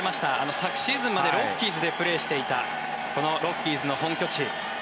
昨シーズンまでロッキーズでプレーしていたこのロッキーズの本拠地。